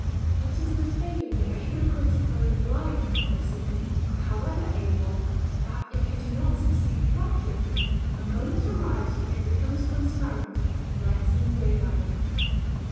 It is the failing of a hypocritical and lying policy, however able, that, if it do not succeed promptly, a moment arrives when it becomes transparent and lets in daylight.